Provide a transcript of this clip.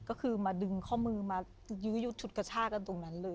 ก็คือมาดึงข้อมือมายื้อยุดฉุดกระชากันตรงนั้นเลย